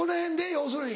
要するに。